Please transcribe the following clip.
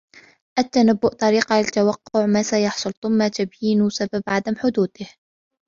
التنبؤ طريقة لتوقع ما سيحصل ، ثم تبيين سبب عدم حدوثه.